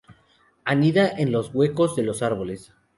Anida en huecos de los árboles.